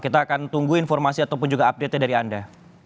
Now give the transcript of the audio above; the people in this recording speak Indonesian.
kita akan tunggu informasi ataupun juga update nya dari anda